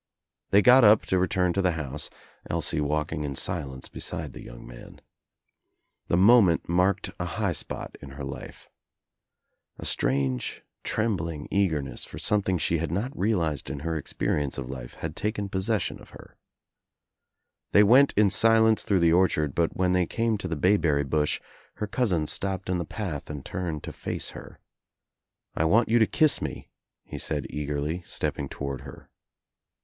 They got up to return to the house, Elsie walking 1 silence beside the young man. The moment marked I high spot in her life. A strange trembling eager ness for something she had not realized in her expe dience of life had taken possession of her. They went * in silence through the orchard but when they came to the bayberry bush her cousin stopped in the path and turned to face her. "I want you to kiss me," he said eagerly, stepping toward her.